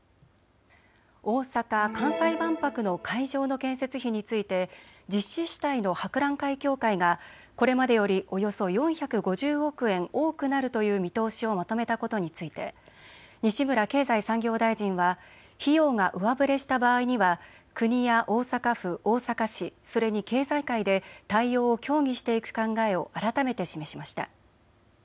大阪・関西万博の会場の建設費について実施主体の博覧会協会がこれまでよりおよそ４５０億円多くなるという見通しをまとめたことについて西村経済産業大臣は費用が上振れした場合には国や大阪府、大阪市、それに経済界で対応を協議していく考えを改めて示しました。